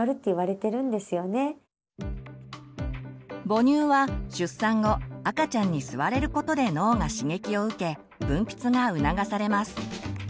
母乳は出産後赤ちゃんに吸われることで脳が刺激を受け分泌が促されます。